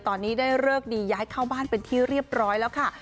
ตอนนี้ได้เลิกดีย้ายเข้าบ้านเป็นที่เรียบร้อยแล้วค่ะ